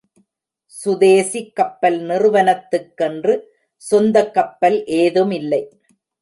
சுதேசிக் கப்பல் நிறுவனத்துக்கென்று சொந்தக் கப்பல் ஏதுமில்லை.